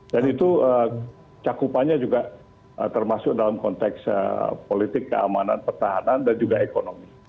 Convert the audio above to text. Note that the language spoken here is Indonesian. dan itu cakupannya juga termasuk dalam konteks politik keamanan pertahanan dan juga ekonomi